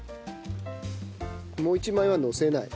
もう１枚はのせない。